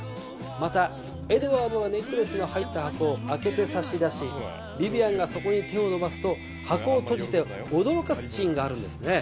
またエドワードがネックレスの入った箱を開けて差し出しヴィヴィアンがそこに手を伸ばすと箱を閉じて驚かすシーンがあるんですね。